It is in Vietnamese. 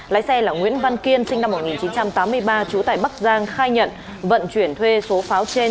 lái xe là nguyễn văn kiên sinh năm một nghìn chín trăm tám mươi ba trú tại bắc giang khai nhận vận chuyển thuê số pháo trên